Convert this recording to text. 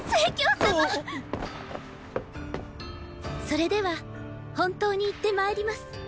それでは本当に行って参ります。